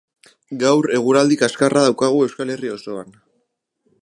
Gaur eguraldi kaskarra daukagu Euskal Herri osoan.